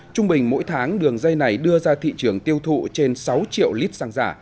trung bình mỗi tháng đường dây này đưa ra thị trường tiêu thụ trên sáu triệu lít xăng giả